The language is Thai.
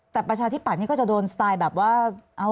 แต่ประชาธิบัตย์นี่ก็จะโดนสไตล์แบบว่า